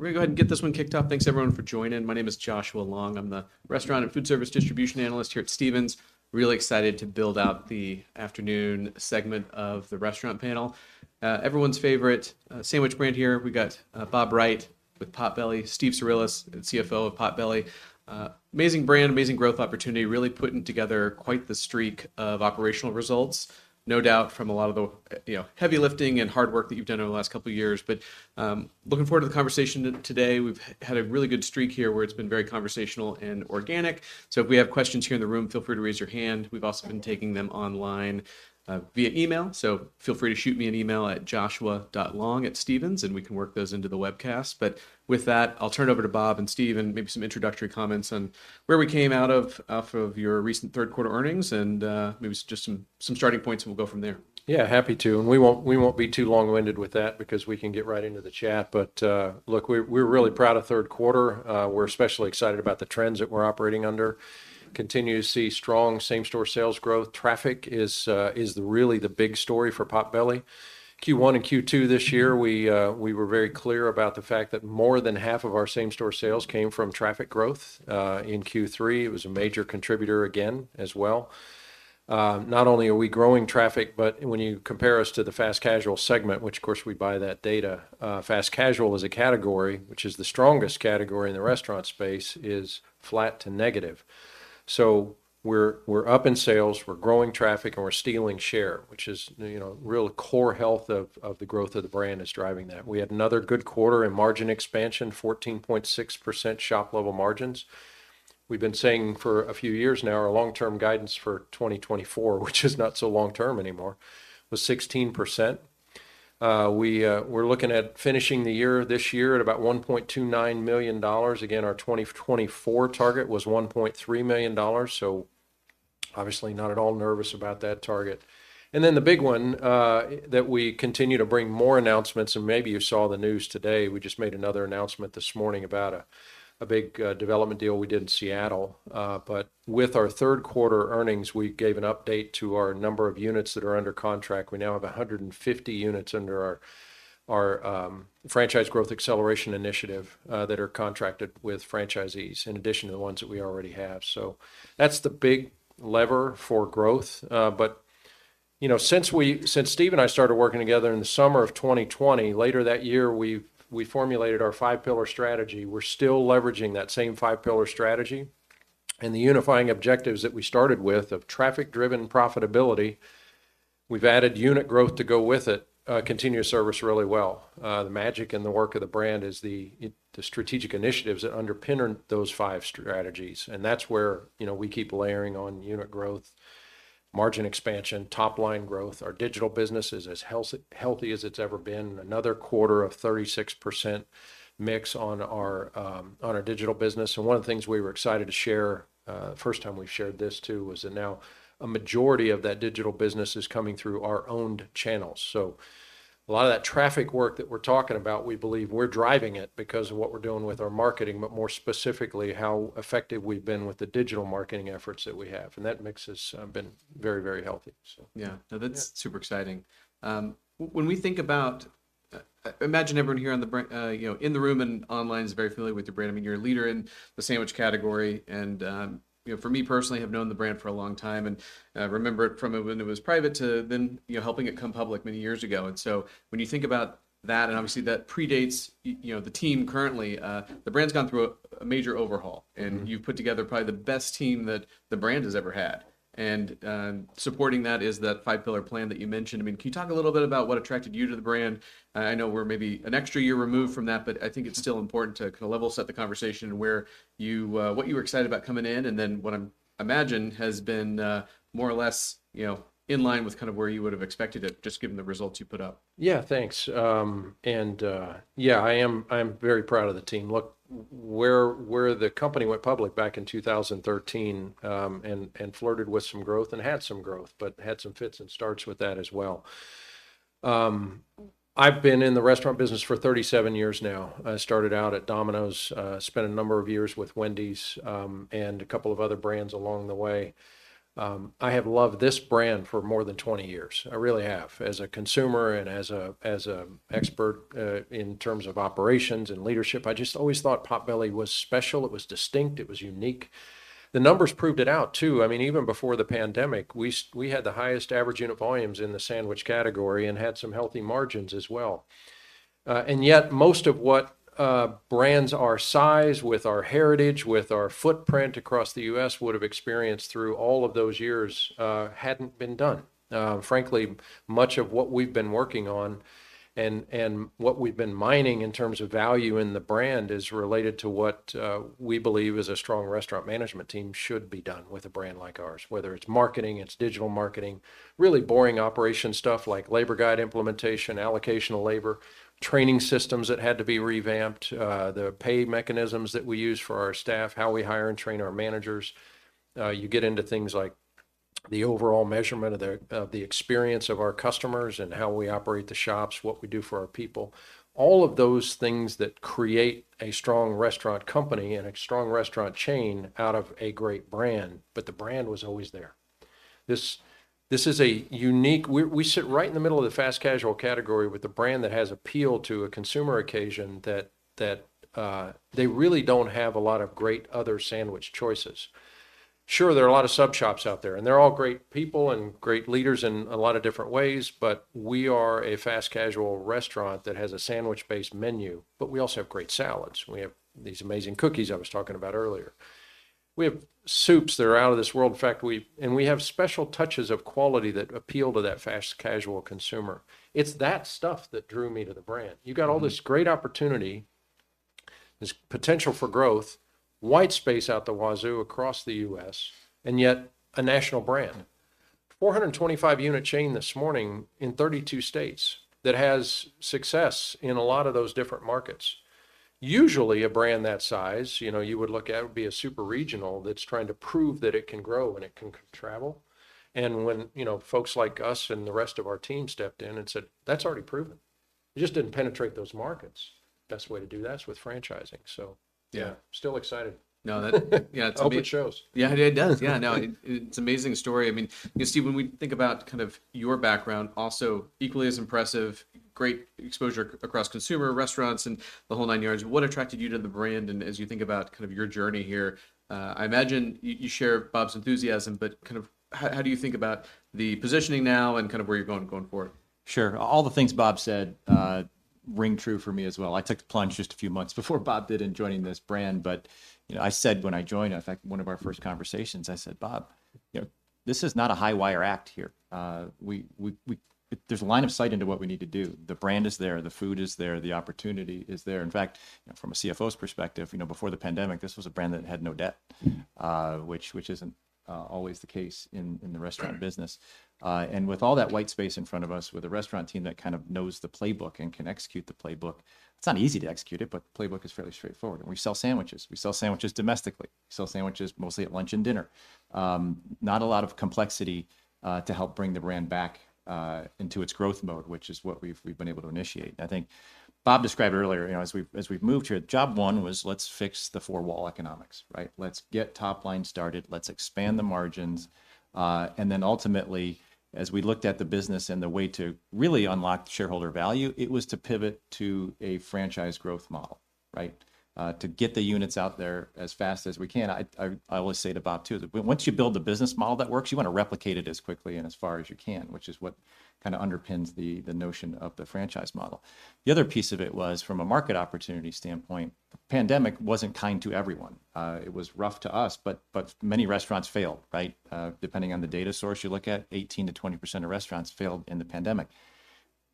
We're gonna go ahead and get this one kicked off. Thanks, everyone, for joining. My name is Joshua Long. I'm the restaurant and food service distribution analyst here at Stephens. Really excited to build out the afternoon segment of the restaurant panel. Everyone's favorite sandwich brand here. We've got, Bob Wright with, Steve Cirulis, the CFO of Potbelly. Amazing brand, amazing growth opportunity, really putting together quite the streak of operational results. No doubt, from a lot of the, you know, heavy lifting and hard work that you've done over the last couple of s, but, looking forward to the conversation today. We've had a really good streak here, where it's been very conversational and organic. So if we have questions here in the room, feel free to raise your hand. We've also been taking them online via email, so feel free to shoot me an email at joshua.long@stephens, and we can work those into the webcast. But with that, I'll turn it over to Bob and Steve, and maybe some introductory comments on where we came out of, off of your recent Q3 earnings, and maybe jt some starting points, and we'll go from there. Yeah, happy to, and we won't, we won't be too long-winded with that because we can get right into the chat. But, look, we're, we're really proud of the Q3. We're especially excited about the trends that we're operating under. Continue to see strong same-store sales growth. Traffic is really the big story for Potbelly. Q1 and Q2 this year, we, we were very clear about the fact that more than half of our same-store sales came from traffic growth. In Q3, it was a major contributor again, as well. Not only are we growing traffic, but when you compare us to the fast-casual segment, which, of course, we buy that data, fast casual as a category, which is the strongest category in the restaurant space, is flat to negative. So we're up in sales, we're growing traffic, and we're stealing share, which is, you know, real core health of the growth of the brand is driving that. We had another good in margin expansion, 14.6% shop level margins. We've been saying for a few years now, our long-term guidance for 2024, which is not so long-term anymore, was 16%. We're looking at finishing the year, this year at about $1.29 million. Again, our 2024 target was $1.3 million, so obviously not at all nervous about that target. And then the big one, that we continue to bring more announcements, and maybe you saw the news today, we just made another announcement this morning about a big development deal we did in Seattle. But with our Q3 earnings, we gave an update to our number of units that are under contract. We now have 150 units under our Franchise Growth Acceleration Initiative that are contracted with franchisees, in addition to the ones that we already have. So that's the big lever for growth. But, you know, since Steve and I started working together in the summer of 2020, later that year, we've formulated our five-pillar strategy. We're still leveraging that same five-pillar strategy and the unifying objectives that we started with of traffic-driven profitability. We've added unit growth to go with it, continue to service really well. The magic and the work of the brand is the strategic initiatives that underpin those five strategies, and that's where, you know, we keep layering on unit growth, margin expansion, top-line growth. Our digital business is as healthy as it's ever been. Another of 36% mix on our digital business, and one of the things we were excited to share, first time we've shared this, too, was that now a majority of that digital business is coming through our owned channels. So a lot of that traffic work that we're talking about, we believe we're driving it because of what we're doing with our marketing, but more specifically, how effective we've been with the digital marketing efforts that we have. And that mix has been very, very healthy. So... Yeah. No, that's- Yeah Super exciting. When we think about, imagine everybody here in the room and online is very familiar with the brand. I mean, you're a leader in the sandwich category, and, you know, for me personally, I've known the brand for a long time and, remember it from when it was private to then, you know, helping it come public many years ago. And so when you think about that, and obviously, that predates you know, the team currently, the brand's gone through a major overhaul- Mm-hmm And you've put together probably the best team that the brand has ever had. And, supporting that is that five-pillar plan that you mentioned. I mean, can you talk a little bit about what attracted you to the brand? I know we're maybe an extra year removed from that, but I think it's still important to kind of level-set the conversation where you, what you were excited about coming in, and then what I imagine has been, more or less, you know, in line with kind of where you would've expected it, just given the results you put up. Yeah. Thanks. Yeah, I am, I'm very proud of the team. Look, where the company went public back in 2013, and flirted with some growth and had some growth, but had some fits and starts with that as well. I've been in the restaurant business for 37 years now. I started out at, spent a number of years with Wendy's, and a couple of other brands along the way. I have loved this brand for more than 20 years. I really have. As a consumer and as an expert, in terms of operations and leadership, I just always thought Potbelly was special, it was distinct, it was unique. The numbers proved it out, too. I mean, even before the pandemic, we had the highest average unit volumes in the sandwich category and had some healthy margins as well. And yet most of what, brands our size, with our heritage, with our footprint across the U.S., would've experienced through all of those years, hadn't been done. Frankly, much of what we've been working on and what we've been mining in terms of value in the brand is related to what we believe as a strong restaurant management team should be done with a brand like ours, whether it's marketing, it's digital marketing, really boring operation stuff like labor guide implementation, allocational labor, training systems that had to be revamped, the pay mechanisms that we use for our staff, how we hire and train our managers. You get into things like the overall measurement of the experience of our customers and how we operate the shops, what we do for our people. All of those things that create a strong restaurant company and a strong restaurant chain out of a great brand, but the brand was always there... We sit right in the middle of the fast casual category with a brand that has appeal to a consumer occasion that they really don't have a lot of great other sandwich choices. Sure, there are a lot of sub shops out there, and they're all great people and great leaders in a lot of different ways, but we are a fast casual restaurant that has a sandwich-based menu. But we also have great salads, and we have these amazing cookies I was talking about earlier. We have soups that are out of this world. In fact, we have special touches of quality that appeal to that fast casual consumer. It's that stuff that drew me to the brand. You've got all this great opportunity, this potential for growth, white space out the wazoo across the U.S., and yet a national brand. 425-unit chain this morning in 32 states, that has success in a lot of those different markets. Usually, a brand that size, you know, you would look at, would be a super regional that's trying to prove that it can grow and it can travel. And when, you know, folks like us and the rest of our team stepped in and said, "That's already proven." It just didn't penetrate those markets. Best way to do that is with franchising. So yeah- Yeah Still excited. No, yeah. I hope it shows. Yeah, it does. Yeah, no, it, it's an amazing story. I mean, you see, when we think about kind of your background, also equally as impressive, great exposure across consumer restaurants and the whole nine yards. What attracted you to the brand and as you think about kind of your journey here? I imagine you, you share Bob's enthusiasm, but kind of how, how do you think about the positioning now and kind of where you're going, going forward? Sure. All the things Bob said ring true for me as well. I took the plunge just a few months before Bob did in joining this brand, but, you know, I said when I joined, in fact, one of our first conversations, I said, "Bob, you know, this is not a high wire act here. There's a line of sight into what we need to do. The brand is there, the food is there, the opportunity is there." In fact, from a CFO's perspective, you know, before the pandemic, this was a brand that had no debt. Mm Which isn't always the case in the restaurant business. And with all that white space in front of us, with a restaurant team that kind of knows the playbook and can execute the playbook, it's not easy to execute it, but the playbook is fairly straightforward, and we sell sandwiches. We sell sandwiches domestically. We sell sandwiches mostly at lunch and dinner. Not a lot of complexity to help bring the brand back into its growth mode, which is what we've been able to initiate. I think Bob described earlier, you know, as we've moved here, job one was let's fix the four-wall economics, right? Let's get top line started, let's expand the margins, and then ultimately, as we looked at the business and the way to really unlock the shareholder value, it was to pivot to a franchise growth model, right? To get the units out there as fast as we can. I always say to Bob, too, that "Once you build a business model that works, you want to replicate it as quickly and as far as you can," which is what kind of underpins the notion of the franchise model. The other piece of it was, from a market opportunity standpoint, the pandemic wasn't kind to everyone. It was rough to us, but many restaurants failed, right? Depending on the data source you look at, 18%-20% of restaurants failed in the pandemic.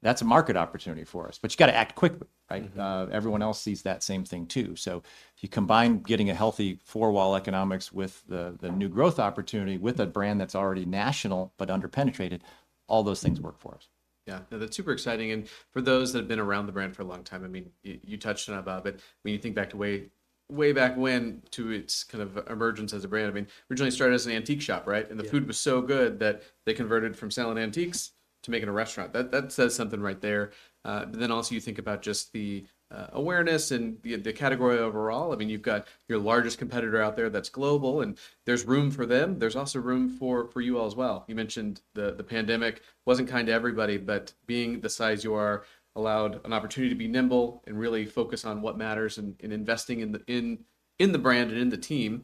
That's a market opportunity for us, but you've got to act quickly, right? Mm-hmm. Everyone else sees that same thing, too. So if you combine getting a healthy four-wall economics with the new growth opportunity, with a brand that's already national, but under-penetrated, all those things work for us. Yeah. No, that's super exciting. And for those that have been around the brand for a long time, I mean, you, you touched on it, Bob, but when you think back to way, way back when to its kind of emergence as a brand, I mean, originally started as an antique shop, right? Yeah. And the food was so good that they converted from selling antiques to making a restaurant. That says something right there. But then also you think about just the awareness and the category overall. I mean, you've got your largest competitor out there that's global, and there's room for them. There's also room for you all as well. You mentioned the pandemic wasn't kind to everybody, but being the size you are allowed an opportunity to be nimble and really focus on what matters and investing in the brand and in the team.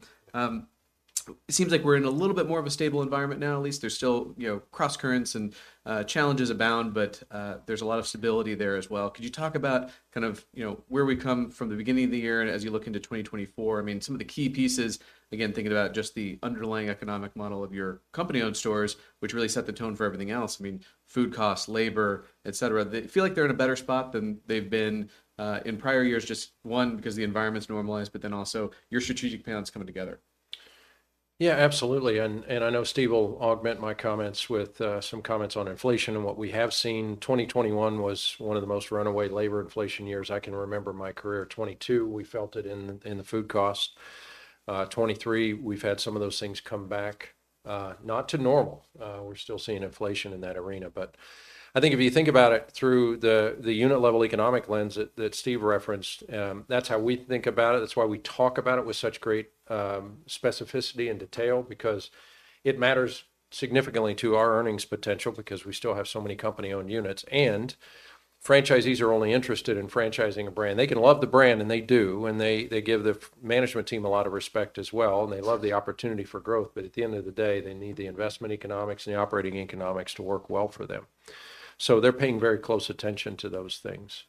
It seems like we're in a little bit more of a stable environment now, at least there's still, you know, crosscurrents and challenges abound, but there's a lot of stability there as well. Could you talk about kind of, you know, where we come from the beginning of the year and as you look into 2024, I mean, some of the key pieces, again, thinking about just the underlying economic model of your company-owned stores, which really set the tone for everything else. I mean, food costs, labor, etc., they feel like they're in a better spot than they've been in prior years. Just one, because the environment's normalized, but then also your strategic plan is coming together. Yeah, absolutely. And I know Steve will augment my comments with some comments on inflation and what we have seen. 2021 was one of the most runaway labor inflation years I can remember in my career. 2022, we felt it in the food costs. 2023, we've had some of those things come back, not to normal. We're still seeing inflation in that arena, but I think if you think about it through the unit level economic lens that Steve referenced, that's how we think about it. That's why we talk about it with such great specificity and detail, because it matters significantly to our earnings potential, because we still have so many company-owned units, and franchisees are only interested in franchising a brand. They can love the brand, and they do, and they give the f- management team a lot of respect as well, and they love the opportunity for growth. But at the end of the day, they need the investment economics and the operating economics to work well for them. So they're paying very close attention to those things.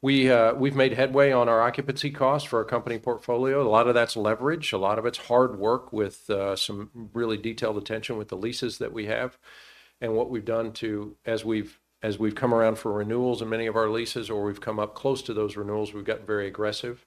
We've made headway on our occupancy costs for our company portfolio. A lot of that's leverage, a lot of it's hard work with some really detailed attention with the leases that we have. And what we've done as we've come around for renewals in many of our leases, or we've come up close to those renewals, we've gotten very aggressive.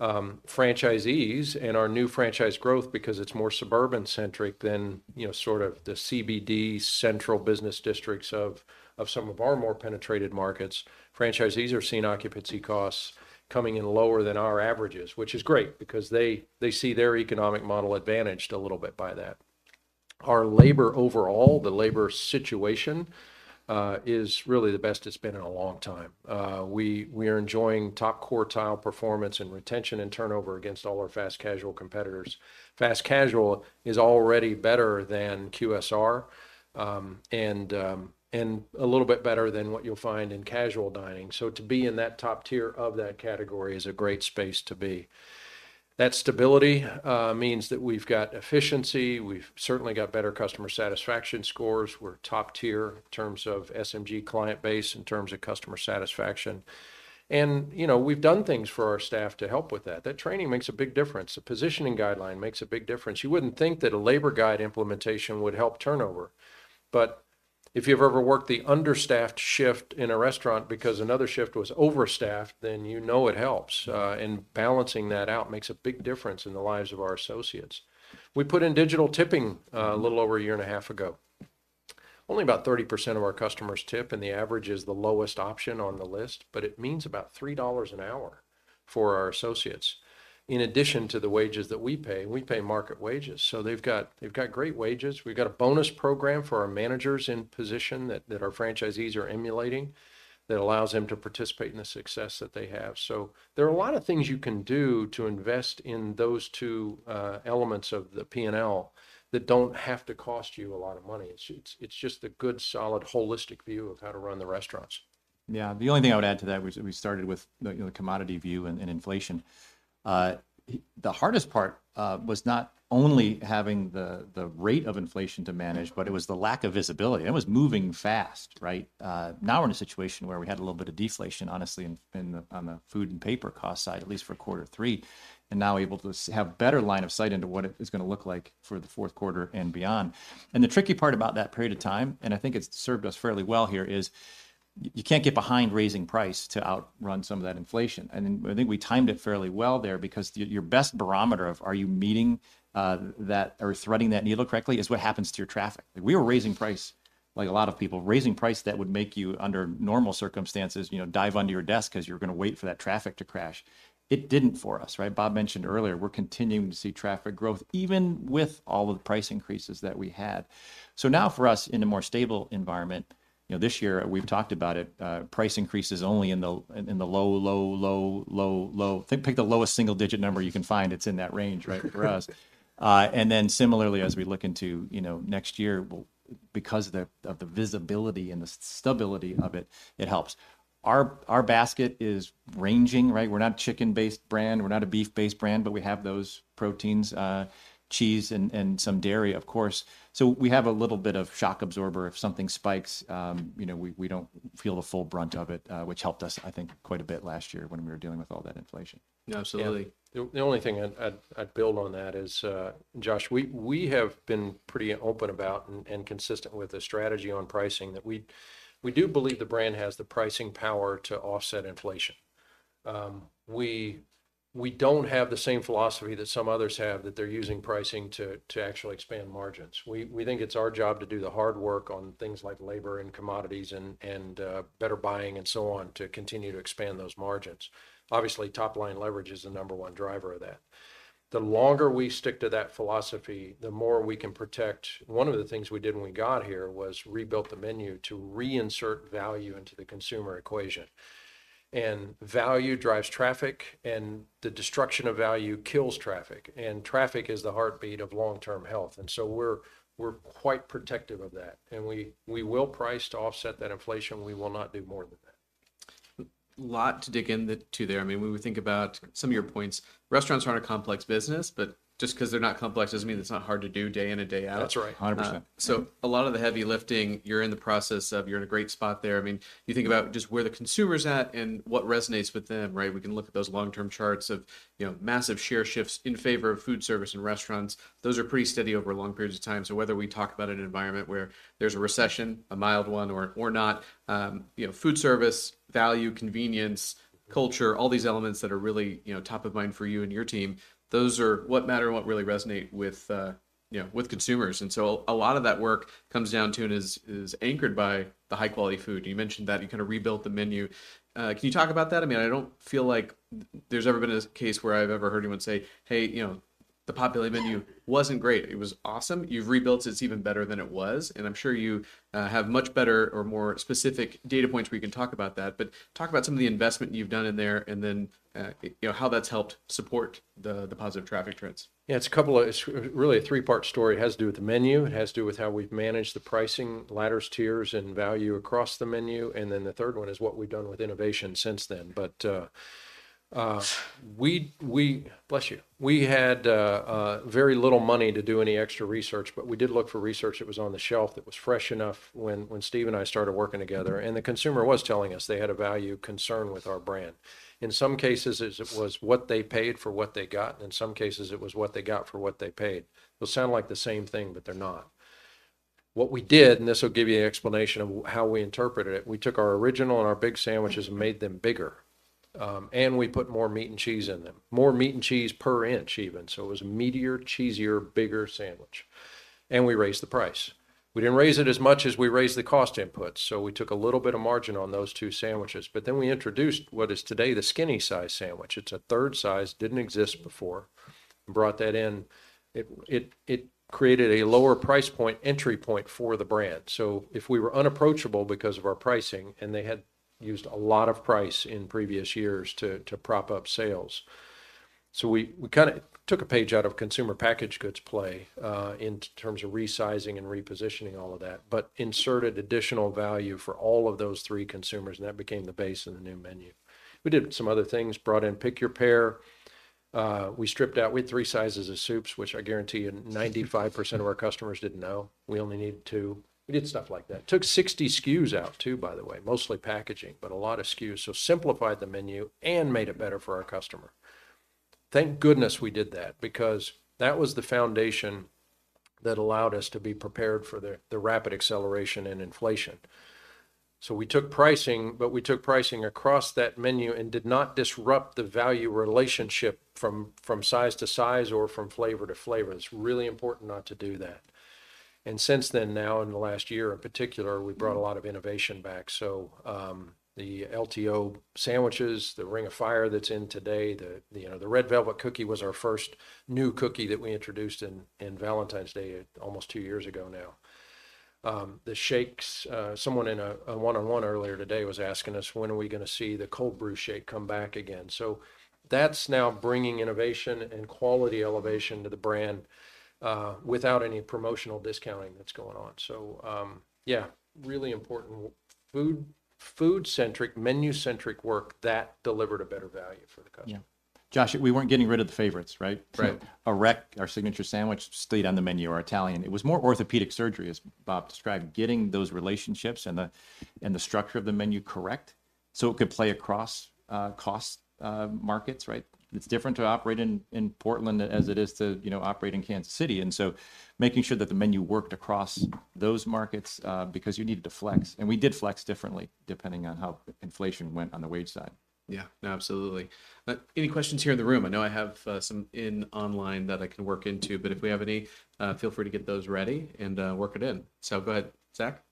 Franchisees and our new franchise growth, because it's more suburban-centric than, you know, sort of the CBD, central business districts of some of our more penetrated markets, franchisees are seeing occupancy costs coming in lower than our averages, which is great because they, they see their economic model advantaged a little bit by that. Our labor overall, the labor situation, is really the best it's been in a long time. We are enjoying top quartile performance in retention and turnover against all our fast casual competitors. Fast casual is already better than QSR, and a little bit better than what you'll find in casual dining. So to be in that top tier of that category is a great space to be. That stability means that we've got efficiency, we've certainly got better customer satisfaction scores. We're top tier in terms of client base, in terms of customer satisfaction, and, you know, we've done things for our staff to help with that. That training makes a big difference. A positioning guideline makes a big difference. You wouldn't think that a labor guide implementation would help turnover, but if you've ever worked the understaffed shift in a restaurant because another shift was overstaffed, then you know it helps. And balancing that out makes a big difference in the lives of our associates. We put in digital tipping, a little over a year and a half ago. Only about 30% of our customers tip, and the average is the lowest option on the list, but it means about $3 an hour for our associates. In addition to the wages that we pay, we pay market wages, so they've got, they've got great wages. We've got a bonus program for our managers in position that our franchisees are emulating, that allows them to participate in the success that they have. So there are a lot of things you can do to invest in those two, elements of the P&L that don't have to cost you a lot of money. It's just a good, solid, holistic view of how to run the restaurants. Yeah, the only thing I would add to that, which we started with the commodity view and inflation. The hardest part was not only having the rate of inflation to manage, but it was the lack of visibility, and it was moving fast, right? Now we're in a situation where we had a little bit of deflation, honestly, on the food and paper cost side, at least for three, and now able to have better line of sight into what it is gonna look like for the fourth and beyond. The tricky part about that period of time, and I think it's served us fairly well here, is you can't get behind raising price to outrun some of that inflation. I think we timed it fairly well there, because your, your best barometer of are you meeting, that or threading that needle correctly, is what happens to your traffic. We were raising price like a lot of people. Raising price that would make you, under normal circumstances, you know, dive under your desk 'cause you're gonna wait for that traffic to crash. It didn't for us, right? Bob mentioned earlier, we're continuing to see traffic growth even with all of the price increases that we had. So now for us, in a more stable environment, you know, this year we've talked about it, price increases only in the low, low, low, low, low... Pick the lowest single-digit number you can find. It's in that range, right, for us. And then similarly, as we look into, you know, next year, because of the visibility and the stability of it, it helps. Our basket is ranging, right? We're not a chicken-based brand, we're not a beef-based brand, but we have those proteins, cheese, and some dairy, of course. So we have a little bit of shock absorber if something spikes, you know, we don't feel the full brunt of it, which helped us, I think, quite a bit last year when we were dealing with all that inflation. Yeah, absolutely. Yeah. The only thing I'd build on that is, Josh, we have been pretty open about and consistent with the strategy on pricing, that we do believe the brand has the pricing power to offset inflation. We don't have the same philosophy that some others have, that they're using pricing to actually expand margins. We think it's our job to do the hard work on things like labor and commodities and better buying and so on, to continue to expand those margins. Obviously, top-line leverage is the number one driver of that. The longer we stick to that philosophy, the more we can protect. One of the things we did when we got here was rebuilt the menu to reinsert value into the consumer equation. And value drives traffic, and the destruction of value kills traffic, and traffic is the heartbeat of long-term health. And so we're, we're quite protective of that, and we, we will price to offset that inflation. We will not do more than that. A lot to dig into there. I mean, when we think about some of your points, restaurants aren't a complex business, but just 'cause they're not complex doesn't mean it's not hard to do day in and day out. That's right. Hundred percent. So a lot of the heavy lifting, you're in the process of, you're in a great spot there. I mean, you think about just where the consumer's at and what resonates with them, right? We can look at those long-term charts of, you know, massive share shifts in favor of food service and restaurants. Those are pretty steady over long periods of time. So whether we talk about an environment where there's a recession, a mild one, or, or not, you know, food service, value, convenience, culture, all these elements that are really, you know, top of mind for you and your team, those are what matter and what really resonate with, you know, with consumers. And so a lot of that work comes down to and is, is anchored by the high-quality food. You mentioned that you kind of rebuilt the menu. Can you talk about that? I mean, I don't feel like there's ever been a case where I've ever heard anyone say, "Hey, you know, the Potbelly menu wasn't great." It was awesome. You've rebuilt it, it's even better than it was, and I'm sure you have much better or more specific data points where you can talk about that. But talk about some of the investment you've done in there, and then you know, how that's helped support the, the positive traffic trends. Yeah, it's a couple of- it's really a three-part story. It has to do with the menu, it has to do with how we've managed the pricing, ladders, tiers, and value across the menu, and then the third one is what we've done with innovation since then. But we- Bless you. We had very little money to do any extra research, but we did look for research that was on the shelf that was fresh enough when Steve and I started working together. And the consumer was telling us they had a value concern with our brand. In some cases, it was what they paid for what they got, and in some cases, it was what they got for what they paid. They'll sound like the same thing, but they're not. What we did, and this will give you an explanation of how we interpreted it, we took our original and our big sandwiches and made them bigger, and we put more meat and cheese in them. More meat and cheese per inch, even, so it was a meatier, cheesier, bigger sandwich, and we raised the price. We didn't raise it as much as we raised the cost input, so we took a little bit of margin on those two sandwiches. But then we introduced what is today the skinny size sandwich. It's a third size, didn't exist before. Brought that in. It created a lower price point, entry point for the brand. So if we were unapproachable because of our pricing, and they had used a lot of price in previous years to prop up sales. So we kind of took a page out of consumer packaged goods play, in terms of resizing and repositioning all of that, but inserted additional value for all of those three consumers, and that became the base of the new menu. We did some other things, brought in Pick Your Pair. We stripped out... We had three sizes of soups, which I guarantee you 95% of our customers didn't know. We only needed two. We did stuff like that. Took 60 SKUs out, too, by the way, mostly packaging, but a lot of SKUs. So simplified the menu and made it better for our customer. Thank goodness we did that, because that was the foundation that allowed us to be prepared for the rapid acceleration and inflation. So we took pricing, but we took pricing across that menu and did not disrupt the value relationship from size to size or from flavor to flavor. It's really important not to do that. And since then, now in the last year in particular, we brought a lot of innovation back. So, the LTO sandwiches, the Ring of Fire that's in today, you know, the Red Velvet cookie was our first new cookie that we introduced in Valentine's Day, almost two years ago now. The shakes, someone in a one-on-one earlier today was asking us, "When are we gonna see the cold brew shake come back again?" So that's now bringing innovation and quality elevation to the brand, without any promotional discounting that's going on. So, yeah, really important food, food-centric, menu-centric work that delivered a better value for the customer. Yeah. Josh, we weren't getting rid of the favorites, right? Right. A Wreck, our signature sandwich, stayed on the menu, our Italian. It was more orthopedic surgery, as Bob described, getting those relationships and the structure of the menu correct, so it could play across cost markets, right? It's different to operate in Portland as it is to, you know, operate in Kansas City, and so making sure that the menu worked across those markets, because you needed to flex. And we did flex differently, depending on how inflation went on the wage side. Yeah. No, absolutely. Any questions here in the room? I know I have some in online that I can work into, but if we have any, feel free to get those ready and work it in. So go ahead, Zach.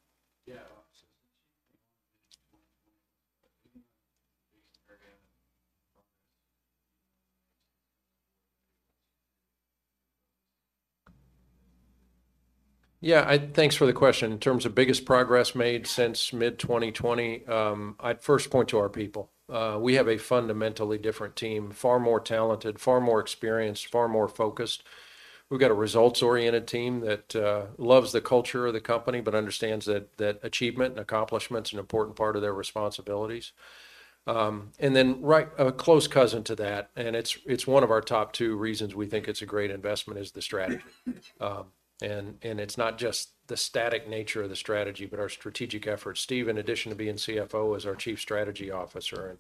Yeah.[in-audible] Yeah, thanks for the question. In terms of biggest progress made since mid-2020, I'd first point to our people. We have a fundamentally different team, far more talented, far more experienced, far more focused. We've got a results-oriented team that loves the culture of the company but understands that achievement and accomplishment's an important part of their responsibilities. And then, right, a close cousin to that, and it's one of our top two reasons we think it's a great investment, is the strategy. And it's not just the static nature of the strategy, but our strategic effort. Steve, in addition to being CFO, is our Chief Strategy Officer,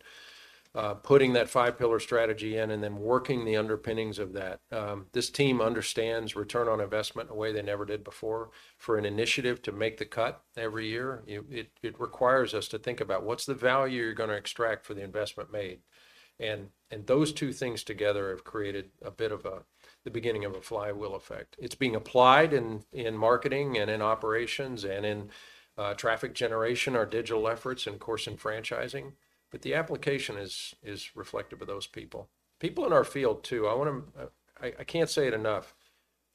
and putting that five-pillar strategy in and then working the underpinnings of that. This team understands return on investment in a way they never did before. For an initiative to make the cut every year, it requires us to think about what's the value you're gonna extract for the investment made? And those two things together have created a bit of a, the beginning of a flywheel effect. It's being applied in marketing and in operations and in traffic generation, our digital efforts, and of course, in franchising, but the application is reflective of those people. People in our field, too, I want to. I can't say it enough,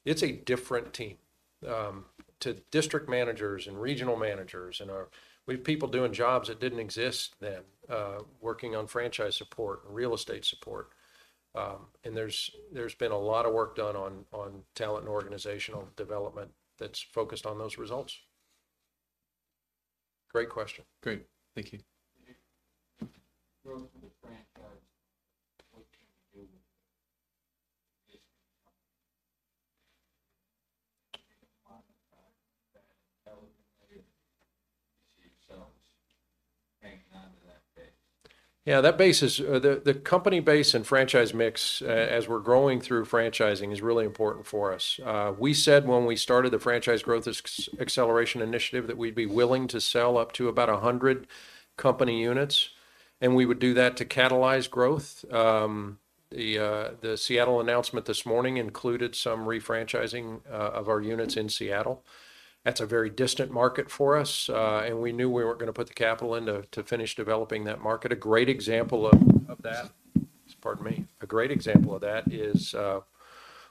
it's a different team. To district managers and regional managers and our we have people doing jobs that didn't exist then, working on franchise support and real estate support. And there's been a lot of work done on talent and organizational development, that's focused on those results. Great question. Great. Thank you. [in-audible] Yeah, that base is the company base and franchise mix, as we're growing through franchising, is really important for us. We said when we started the Franchise Growth Acceleration Initiative, that we'd be willing to sell up to about 100 company units, and we would do that to catalyze growth. The Seattle announcement this morning included some refranchising of our units in Seattle. That's a very distant market for us, and we knew we weren't gonna put the capital in to finish developing that market. A great example of that - pardon me. A great example of that is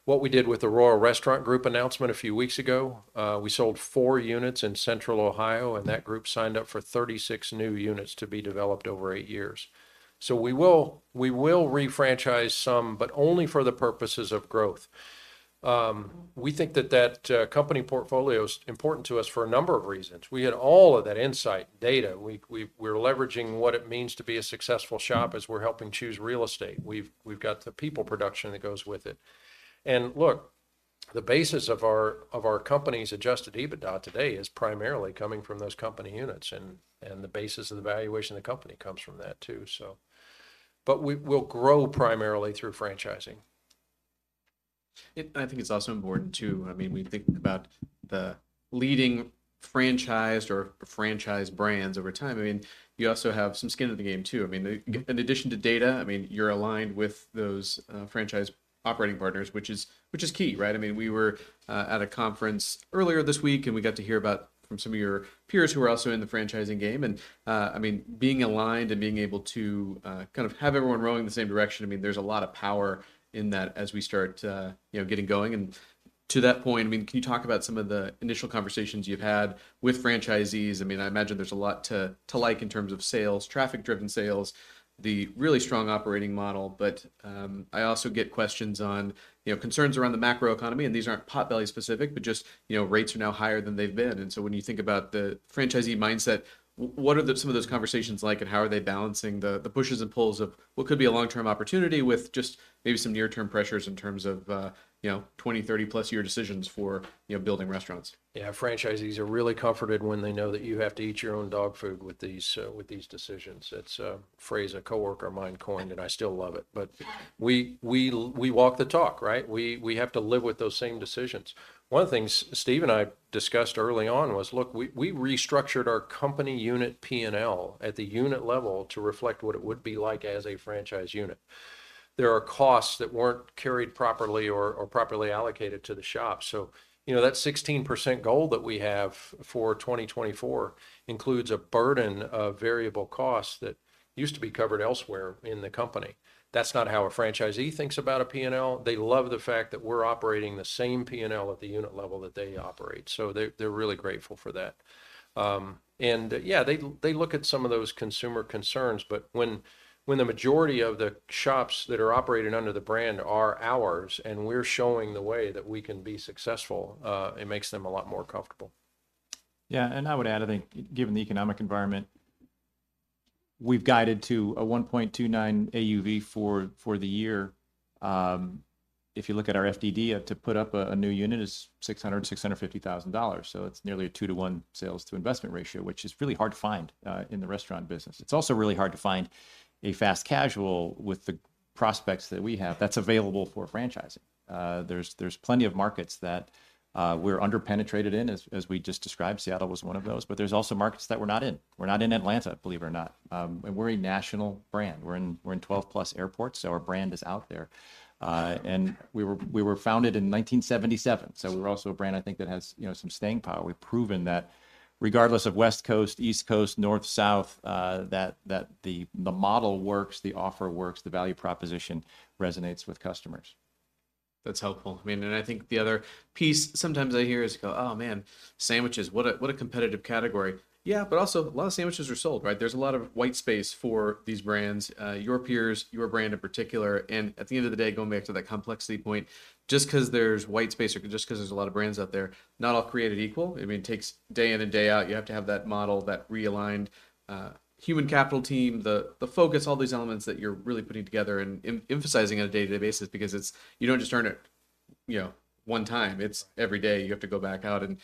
what we did with the Royal Restaurant Group announcement a few weeks ago. We sold 4 units in central Ohio, and that group signed up for 36 new units to be developed over eight years. So we will, we will refranchise some, but only for the purposes of growth. We think that company portfolio is important to us for a number of reasons. We had all of that insight data. We're leveraging what it means to be a successful shop as we're helping choose real estate. We've got the people production that goes with it. And look, the basis of our company's adjusted EBITDA today is primarily coming from those company units, and the basis of the valuation of the company comes from that, too, so... But we'll grow primarily through franchising. I think it's also important, too, I mean, we think about the leading- Franchised or franchised brands over time, I mean, you also have some skin in the game, too. I mean, in addition to data, I mean, you're aligned with those, franchise operating partners, which is, which is key, right? I mean, we were, at a conference earlier this week, and we got to hear about from some of your peers who are also in the franchising game, and, I mean, being aligned and being able to, kind of have everyone rowing in the same direction, I mean, there's a lot of power in that as we start, you know, getting going. And to that point, I mean, can you talk about some of the initial conversations you've had with franchisees? I mean, I imagine there's a lot to like in terms of sales, traffic-driven sales, the really strong operating model, but I also get questions on, you know, concerns around the macroeconomy, and these aren't Potbelly specific, but just, you know, rates are now higher than they've been. And so when you think about the franchisee mindset, what are some of those conversations like, and how are they balancing the pushes and pulls of what could be a long-term opportunity with just maybe some near-term pressures in terms of, you know, 20- to 30+ year decisions for, you know, building restaurants? Yeah. Franchisees are really comforted when they know that you have to eat your own dog food with these decisions. It's a phrase a coworker of mine coined, and I still love it. But we walk the talk, right? We have to live with those same decisions. One of the things Steve and I discussed early on was, look, we restructured our company unit PNL at the unit level to reflect what it would be like as a franchise unit. There are costs that weren't carried properly or properly allocated to the shop. So, you know, that 16% goal that we have for 2024 includes a burden of variable costs that used to be covered elsewhere in the company. That's not how a franchisee thinks about a PNL. They love the fact that we're operating the same PNL at the unit level that they operate. So they're really grateful for that. And yeah, they look at some of those consumer concerns, but when the majority of the shops that are operating under the brand are ours, and we're showing the way that we can be successful, it makes them a lot more comfortable. Yeah, and I would add, I think, given the economic environment, we've guided to a 1.29 AUV for the year. If you look at our FDD, to put up a new unit is $650,000, so it's nearly a 2-to-1 sales to investment ratio, which is really hard to find in the restaurant business. It's also really hard to find a fast casual with the prospects that we have that's available for franchising. There's plenty of markets that we're under-penetrated in, as we just described. Seattle was one of those, but there's also markets that we're not in. We're not in Atlanta, believe it or not, and we're a national brand. We're in 12+ airports, so our brand is out there. We were founded in 1977, so we're also a brand, I think, that has, you know, some staying power. We've proven that regardless of West Coast, East Coast, North, South, that the model works, the offer works, the value proposition resonates with customers. That's helpful. I mean, and I think the other piece sometimes I hear is, you go, "Oh, man, sandwiches, what a competitive category." Yeah, but also, a lot of sandwiches are sold, right? There's a lot of white space for these brands, your peers, your brand in particular, and at the end of the day, going back to that complexity point, just 'cause there's white space or just 'cause there's a lot of brands out there, not all created equal. I mean, it takes day in and day out, you have to have that model, that realigned human capital team, the focus, all these elements that you're really putting together and emphasizing on a day-to-day basis, because you don't just turn it, you know, one time, it's every day you have to go back out and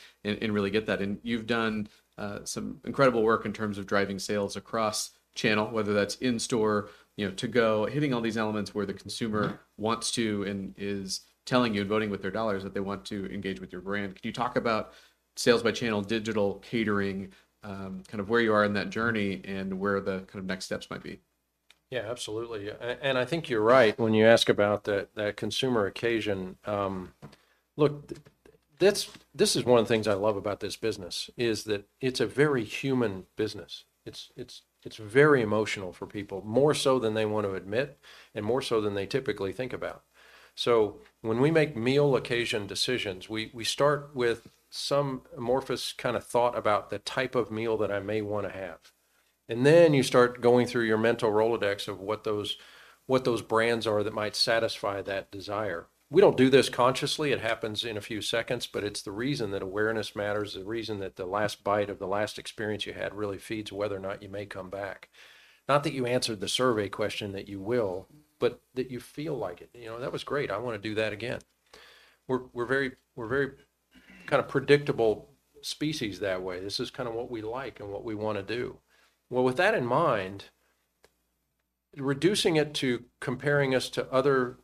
really get that. You've done some incredible work in terms of driving sales across channel, whether that's in-store, you know, to-go, hitting all these elements where the consumer- Yeah Wants to and is telling you and voting with their dollars that they want to engage with your brand. Can you talk about sales by channel, digital catering, kind of where you are in that journey and where the kind of next steps might be? Yeah, absolutely. And I think you're right when you ask about the consumer occasion. Look, this is one of the things I love about this business, is that it's a very human business. It's very emotional for people, more so than they want to admit and more so than they typically think about. So when we make meal occasion decisions, we start with some amorphous kind of thought about the type of meal that I may wanna have. And then you start going through your mental Rolodex of what those brands are that might satisfy that desire. We don't do this consciously. It happens in a few seconds, but it's the reason that awareness matters, the reason that the last bite of the last experience you had really feeds whether or not you may come back. Not that you answered the survey question, that you will, but that you feel like it. "You know, that was great. I want to do that again." We're a very kind of predictable species that way. This is kind of what we like and what we want to do. Well, with that in mind, reducing it to comparing us to other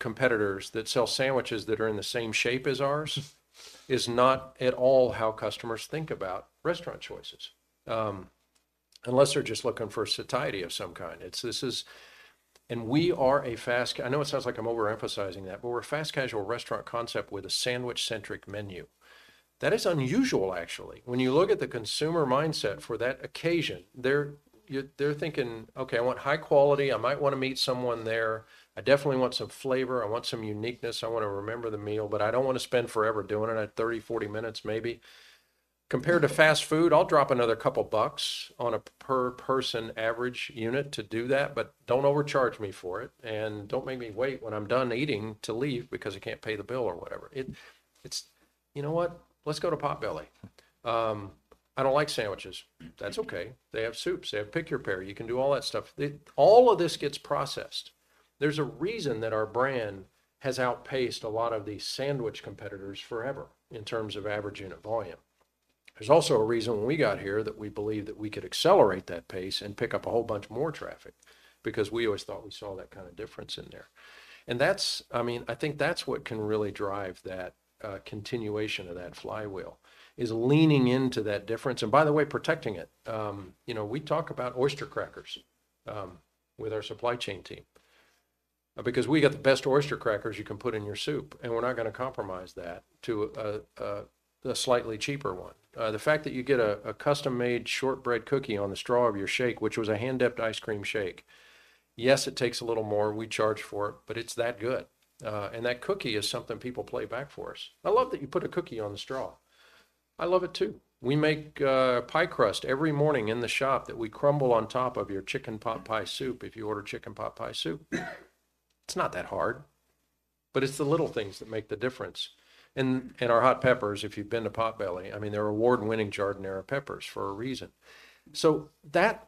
competitors that sell sandwiches that are in the same shape as ours, is not at all how customers think about restaurant choices. Unless they're just looking for satiety of some kind. It's this. And we are a fast casual restaurant concept with a sandwich-centric menu. I know it sounds like I'm overemphasizing that, but we're a fast casual restaurant concept with a sandwich-centric menu. That is unusual, actually. When you look at the consumer mindset for that occasion, they're thinking, "Okay, I want high quality. I might want to meet someone there. I definitely want some flavor. I want some uniqueness. I want to remember the meal, but I don't want to spend forever doing it. I have 30, 40 minutes, maybe. Compared to fast food, I'll drop another couple bucks on a per person average unit to do that, but don't overcharge me for it, and don't make me wait when I'm done eating to leave because I can't pay the bill or whatever. It's, "You know what? Let's go to Potbelly." "I don't like sandwiches." That's okay. They have soups, they have Pick Your Pair. You can do all that stuff. All of this gets processed. There's a reason that our brand has outpaced a lot of these sandwich competitors forever in terms of average unit volume. There's also a reason when we got here that we believed that we could accelerate that pace and pick up a whole bunch more traffic because we always thought we saw that kind of difference in there. And that's, I mean, I think that's what can really drive that continuation of that flywheel, is leaning into that difference, and by the way, protecting it. You know, we talk about oyster crackers... with our supply chain team. Because we got the best oyster crackers you can put in your soup, and we're not gonna compromise that to a slightly cheaper one. The fact that you get a custom-made shortbread cookie on the straw of your shake, which was a hand-dipped ice cream shake, yes, it takes a little more. We charge for it, but it's that good. And that cookie is something people play back for us. "I love that you put a cookie on the straw." I love it too. We make pie crust every morning in the shop that we crumble on top of your chicken pot pie soup, if you order chicken pot pie soup. It's not that hard, but it's the little things that make the difference. And our hot peppers, if you've been to Potbelly, I mean, they're award-winning giardiniera peppers for a reason. So that's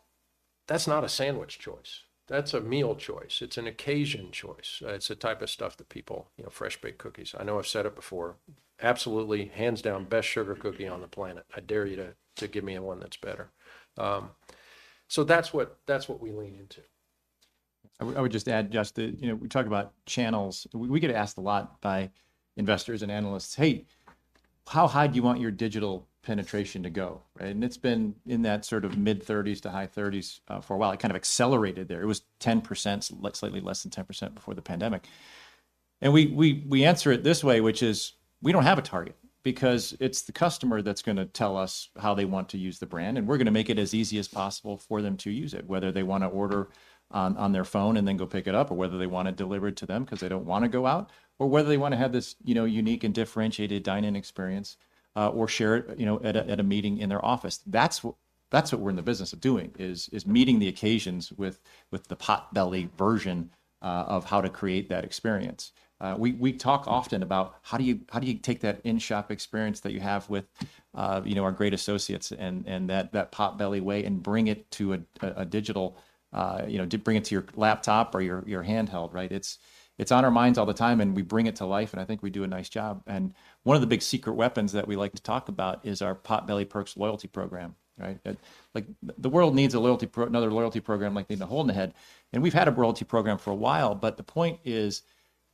not a sandwich choice. That's a meal choice. It's an occasion choice. It's the type of stuff that people... You know, fresh-baked cookies. I know I've said it before, absolutely, hands down, best sugar cookie on the planet. I dare you to give me one that's better. So that's what, that's what we lean into. I would just add, just that, you know, we talk about channels. We get asked a lot by investors and analysts: "Hey, how high do you want your digital penetration to go?" Right? And it's been in that sort of mid-30s%-high 30s% for a while. It kind of accelerated there. It was 10%, slightly less than 10% before the pandemic. And we answer it this way, which is: We don't have a target because it's the customer that's gonna tell us how they want to use the brand, and we're gonna make it as easy as possible for them to use it, whether they wanna order on their phone and then go pick it up, or whether they want it delivered to them 'cause they don't wanna go out, or whether they wanna have this, you know, unique and differentiated dine-in experience, or share it, you know, at a meeting in their office. That's what we're in the business of doing, is meeting the occasions with the Potbelly version of how to create that experience. We talk often about how do you take that in-shop experience that you have with you know, our great associates and that Potbelly way, and bring it to a digital, you know, to bring it to your laptop or your handheld, right? It's on our minds all the time, and we bring it to life, and I think we do a nice job. One of the big secret weapons that we like to talk about is our Potbelly Perks loyalty program, right? Like, the world needs a loyalty pro- another loyalty program like they need a hole in the head. We've had a loyalty program for a while, but the point is,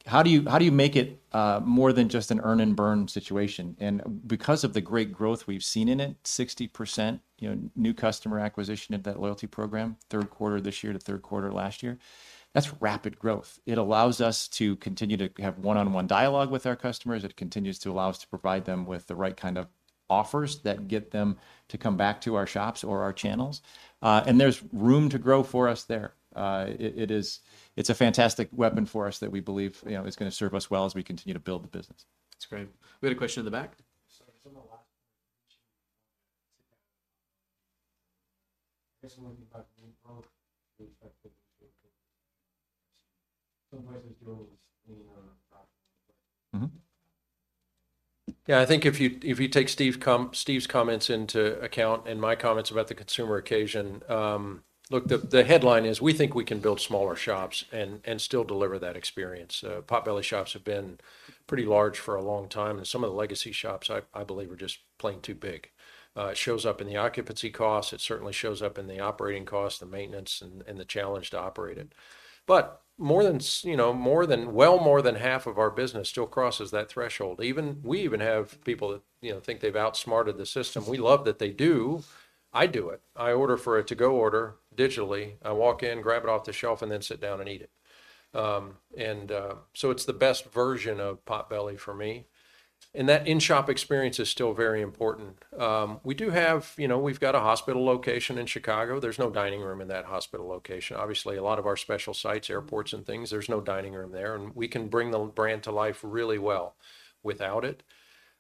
how do you make it more than just an earn-and-burn situation? Because of the great growth we've seen in it, 60%, you know, new customer acquisition of that loyalty program, third this year to third last year, that's rapid growth. It allows us to continue to have one-on-one dialogue with our customers. It continues to allow us to provide them with the right kind of offers that get them to come back to our shops or our channels. And there's room to grow for us there. It is... It's a fantastic weapon for us that we believe, you know, is gonna serve us well as we continue to build the business. That's great. We had a question in the back. So, some of the last Yeah, I think if you take Steve's comments into account and my comments about the consumer occasion, look, the headline is: We think we can build smaller shops and still deliver that experience. Potbelly shops have been pretty large for a long time, and some of the legacy shops I believe are just plain too big. It shows up in the occupancy costs. It certainly shows up in the operating costs, the maintenance, and the challenge to operate it. But more than, you know, well, more than half of our business still crosses that threshold. We even have people that, you know, think they've outsmarted the system. We love that they do. I do it. I order for a to-go order digitally. I walk in, grab it off the shelf, and then sit down and eat it. So it's the best version of Potbelly for me. And that in-shop experience is still very important. We do have... You know, we've got a hospital location in Chicago. There's no dining room in that hospital location. Obviously, a lot of our special sites, airports and things, there's no dining room there, and we can bring the brand to life really well without it.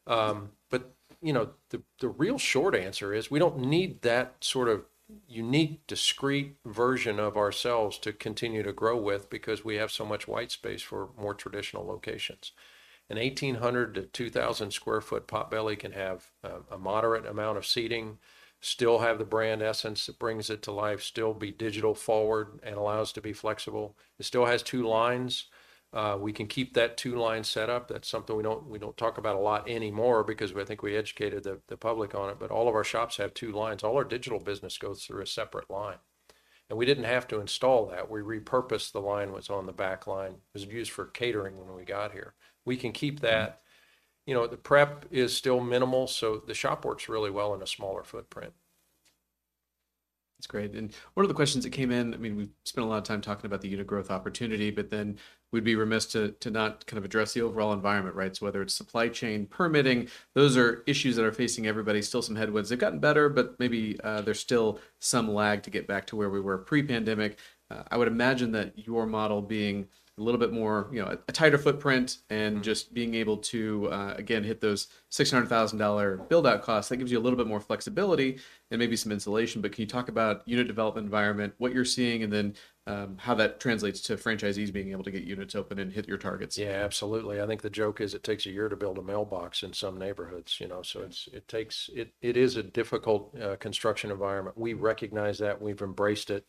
But, you know, the real short answer is, we don't need that sort of unique, discrete version of ourselves to continue to grow with because we have so much white space for more traditional locations. A 1,800-2,000-sq-ft Potbelly can have a moderate amount of seating, still have the brand essence that brings it to life, still be digital forward and allow us to be flexible. It still has two lines. We can keep that two-line setup. That's something we don't talk about a lot anymore because I think we educated the public on it, but all of our shops have two lines. All our digital business goes through a separate line, and we didn't have to install that. We repurposed the line that was on the back line. It was used for catering when we got here. We can keep that. You know, the prep is still minimal, so the shop works really well in a smaller footprint. That's great. And one of the questions that came in, I mean, we've spent a lot of time talking about the unit growth opportunity, but then we'd be remiss to not kind of address the overall environment, right? So whether it's supply chain, permitting, those are issues that are facing everybody. Still some headwinds. They've gotten better, but maybe there's still some lag to get back to where we were pre-pandemic. I would imagine that your model being a little bit more, you know, a tighter footprint and just being able to again hit those $600,000 build-out costs, that gives you a little bit more flexibility and maybe some insulation. But can you talk about unit development environment, what you're seeing, and then how that translates to franchisees being able to get units open and hit your targets? Yeah, absolutely. I think the joke is it takes a year to build a mailbox in some neighborhoods, you know? So it is a difficult construction environment. We recognize that. We've embraced it.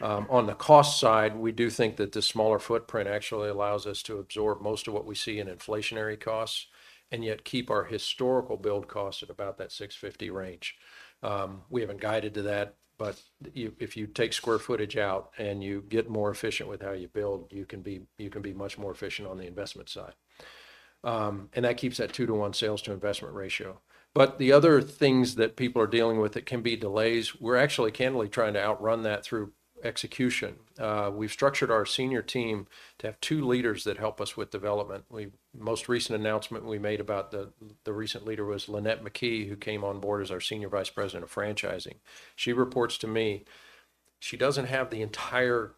On the cost side, we do think that the smaller footprint actually allows us to absorb most of what we see in inflationary costs and yet keep our historical build cost at about that $650,000 range. We haven't guided to that, but if you take square footage out and you get more efficient with how you build, you can be much more efficient on the investment side, and that keeps that 2:1 sales to investment ratio. But the other things that people are dealing with that can be delays, we're actually candidly trying to outrun that through execution. We've structured our senior team to have two leaders that help us with development. Most recent announcement we made about the recent leader was Lynette McKee, who came on board as our Senior Vice President of Franchising. She reports to me. She doesn't have the entire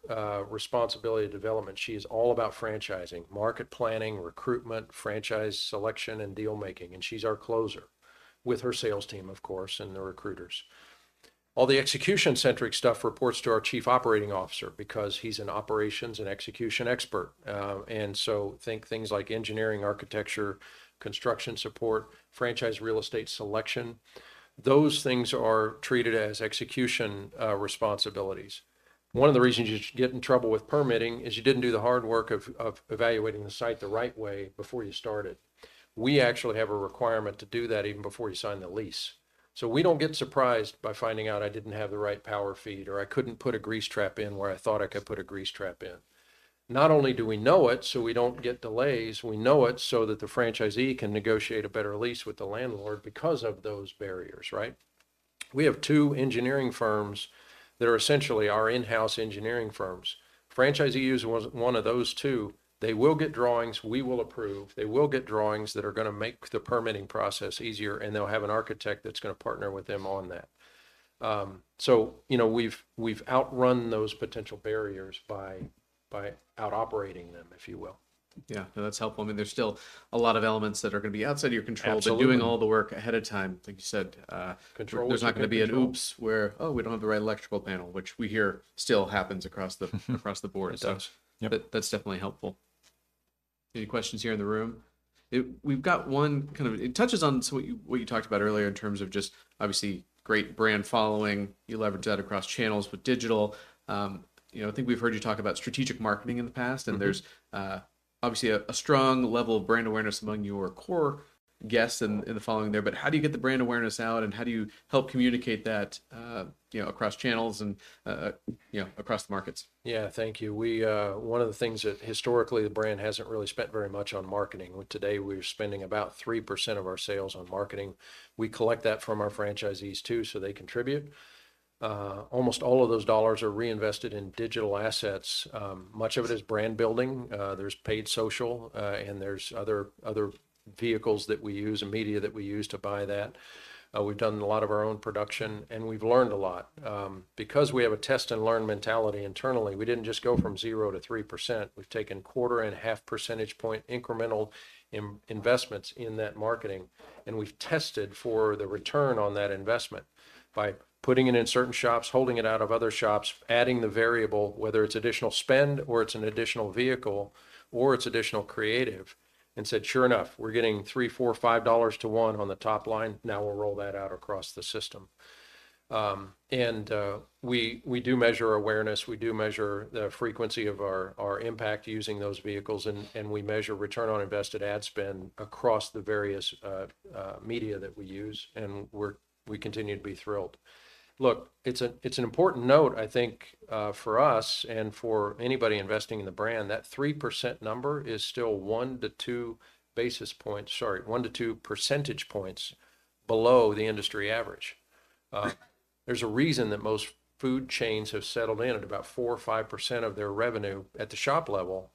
responsibility of development. She is all about franchising, market planning, recruitment, franchise selection, and deal making, and she's our closer, with her sales team, of course, and the recruiters. All the execution-centric stuff reports to our Chief Operating Officer because he's an operations and execution expert. And so think things like engineering, architecture, construction support, franchise real estate selection. Those things are treated as execution responsibilities. One of the reasons you get in trouble with permitting is you didn't do the hard work of evaluating the site the right way before you started. We actually have a requirement to do that even before you sign the lease. So we don't get surprised by finding out I didn't have the right power feed, or I couldn't put a grease trap in where I thought I could put a grease trap in. Not only do we know it, so we don't get delays, we know it so that the franchisee can negotiate a better lease with the landlord because of those barriers, right? We have two engineering firms that are essentially our in-house engineering firms. Franchisee uses one, one of those two. They will get drawings we will approve. They will get drawings that are gonna make the permitting process easier, and they'll have an architect that's gonna partner with them on that. So, you know, we've outrun those potential barriers by out-operating them, if you will. Yeah. No, that's helpful. I mean, there's still a lot of elements that are gonna be outside of your control- Absolutely But doing all the work ahead of time, like you said, Control what you can control. There's not gonna be an oops, where, "Oh, we don't have the right electrical panel," which we hear still happens across the- Across the board. It does. Yep. That, that's definitely helpful. Any questions here in the room? We've got one kind of. It touches on, so what you, what you talked about earlier in terms of just obviously great brand following. You leverage that across channels with digital. You know, I think we've heard you talk about strategic marketing in the past. Mm-hmm. There's obviously a strong level of brand awareness among your core guests in the following there, but how do you get the brand awareness out, and how do you help communicate that, you know, across channels and, you know, across the markets? Yeah. Thank you. One of the things that historically the brand hasn't really spent very much on marketing. Well, today we're spending about 3% of our sales on marketing. We collect that from our franchisees too, so they contribute. Almost all of those dollars are reinvested in digital assets. Much of it is brand building. There's paid social, and there's other vehicles that we use and media that we use to buy that. We've done a lot of our own production, and we've learned a lot. Because we have a test-and-learn mentality internally, we didn't just go from zero to 3%. We've taken 0.75 percentage point incremental investments in that marketing, and we've tested for the return on that investment by putting it in certain shops, holding it out of other shops, adding the variable, whether it's additional spend or it's an additional vehicle, or it's additional creative, and said, "Sure enough, we're getting $3, $4, $5 to one on the top line. Now we'll roll that out across the system." We do measure awareness, we do measure the frequency of our impact using those vehicles, and we measure return on invested ad spend across the various media that we use, and we continue to be thrilled. Look, it's an important note, I think, for us and for anybody investing in the brand, that 3% number is still 1-2 basis points—sorry, 1-2 percentage points below the industry average. Right There's a reason that most food chains have settled in at about 4%-5% of their revenue at the shop level,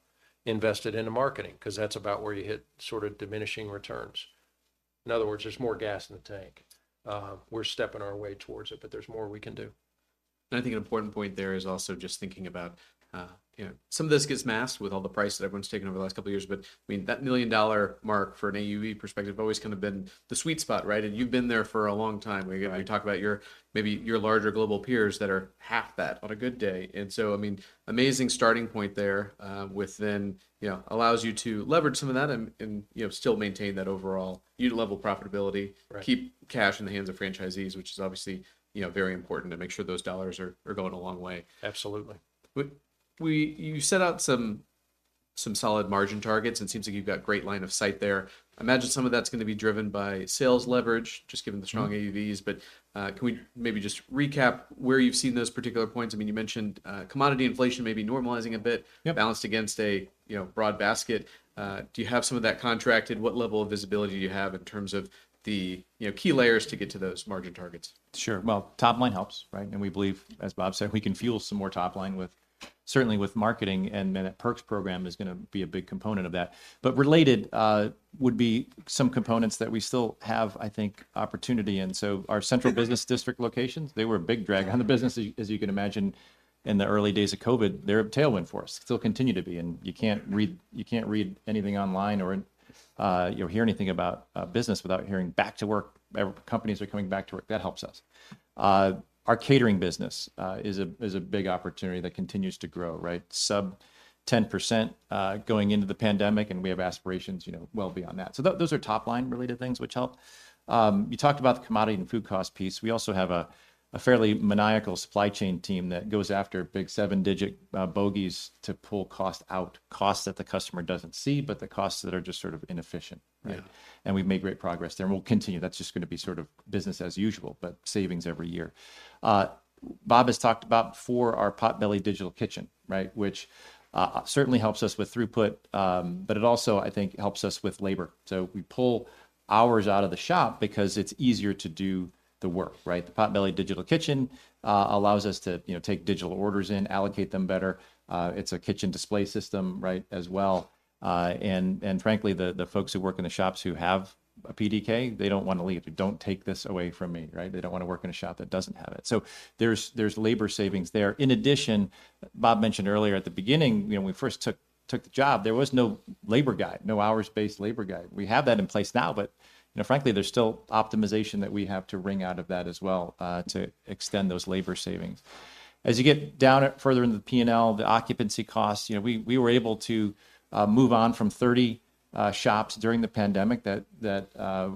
invested into marketing, 'cause that's about where you hit sort of diminishing returns. In other words, there's more gas in the tank. We're stepping our way towards it, but there's more we can do. I think an important point there is also just thinking about, you know, some of this gets masked with all the price that everyone's taken over the last couple of years, but, I mean, that million-dollar mark for an AUV perspective always kind of been the sweet spot, right? And you've been there for a long time. Yeah. We talk about your maybe your larger global peers that are half that on a good day, and so, I mean, amazing starting point there within... You know, allows you to leverage some of that and, you know, still maintain that overall unit level profitability. Right. Keep cash in the hands of franchisees, which is obviously, you know, very important to make sure those dollars are going a long way. Absolutely. Would you set out some solid margin targets, and it seems like you've got great line of sight there. I imagine some of that's gonna be driven by sales leverage, just given- Mm The strong AUVs, but, can we maybe just recap where you've seen those particular points? I mean, you mentioned, commodity inflation may be normalizing a bit- Yep Balanced against a, you know, broad basket. Do you have some of that contracted? What level of visibility do you have in terms of the, you know, key layers to get to those margin targets? Sure. Well, top line helps, right? And we believe, as Bob said, we can fuel some more top line with, certainly with marketing, and then that Perks program is gonna be a big component of that. But related, would be some components that we still have, I think, opportunity in. So our Central Business District locations, they were a big drag on the business, as you can imagine, in the early days of COVID. They're a tailwind for us, still continue to be, and you can't read anything online or you'll hear anything about business without hearing back to work. Companies are coming back to work. That helps us. Our catering business is a big opportunity that continues to grow, right? Sub-10%, going into the pandemic, and we have aspirations, you know, well beyond that. So those are top line related things which help. You talked about the commodity and food cost piece. We also have a fairly maniacal supply chain team that goes after big seven-digit bogeys to pull cost out, costs that the customer doesn't see, but the costs that are just sort of inefficient, right? And we've made great progress there, and we'll continue. That's just gonna be sort of business as usual, but savings every year. Bob has talked about before our Potbelly Digital Kitchen, right? Which certainly helps us with throughput, but it also, I think, helps us with labor. So we pull hours out of the shop because it's easier to do the work, right? The Potbelly Digital Kitchen allows us to, you know, take digital orders in, allocate them better. It's a kitchen display system, right, as well. And frankly, the folks who work in the shops who have a PDK, they don't wanna leave. "Don't take this away from me," right? They don't wanna work in a shop that doesn't have it. So there's labor savings there. In addition, Bob mentioned earlier at the beginning, you know, when we first took the job, there was no labor guide, no hours-based labor guide. We have that in place now, but, you know, frankly, there's still optimization that we have to wring out of that as well, to extend those labor savings. As you get down further into the P&L, the occupancy costs, you know, we were able to move on from 30 shops during the pandemic that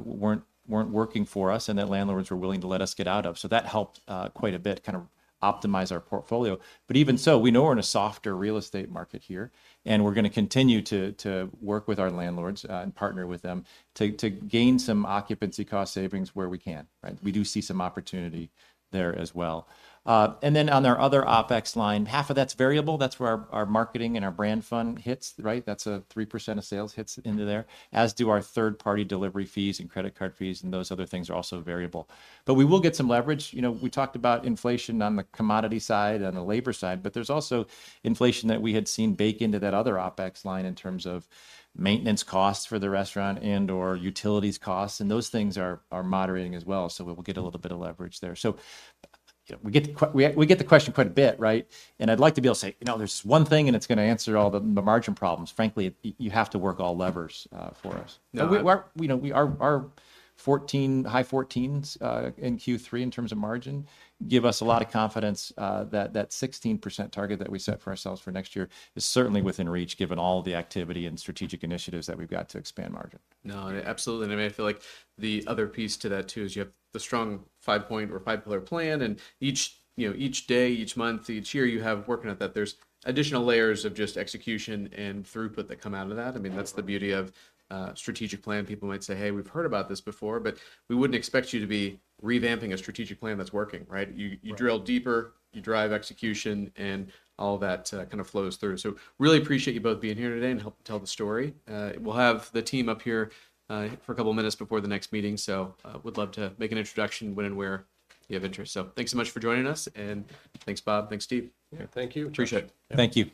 weren't working for us and that landlords were willing to let us get out of, so that helped quite a bit, kind of optimize our portfolio. But even so, we know we're in a softer real estate market here, and we're gonna continue to work with our landlords and partner with them, to gain some occupancy cost savings where we can, right? We do see some opportunity there as well. And then on our other OpEx line, half of that's variable. That's where our marketing and our brand fund hits, right? That's three percent of sales hits into there, as do our third-party delivery fees and credit card fees, and those other things are also variable. But we will get some leverage. You know, we talked about inflation on the commodity side, on the labor side, but there's also inflation that we had seen bake into that other OpEx line in terms of maintenance costs for the restaurant and/or utilities costs, and those things are moderating as well, so we will get a little bit of leverage there. So, you know, we get the question quite a bit, right? And I'd like to be able to say, "You know, there's one thing, and it's gonna answer all the margin problems." Frankly, you have to work all levers for us. Yeah. But we're, you know, our 14, high 14s in Q3, in terms of margin, give us a lot of confidence that 16% target that we set for ourselves for next year is certainly within reach, given all the activity and strategic initiatives that we've got to expand margin. No, absolutely, and I feel like the other piece to that, too, is you have the strong five-point or five-pillar plan, and each, you know, each day, each month, each year, you have working at that. There's additional layers of just execution and throughput that come out of that. Right. I mean, that's the beauty of a strategic plan. People might say, "Hey, we've heard about this before," but we wouldn't expect you to be revamping a strategic plan that's working, right? Right. You, you drill deeper, you drive execution, and all that, kind of flows through. So really appreciate you both being here today and help tell the story. We'll have the team up here, for a couple of minutes before the next meeting, so, would love to make an introduction when and where you have interest. So thanks so much for joining us, and thanks, Bob. Thanks, Steve. Yeah, thank you. Appreciate it. Thank you.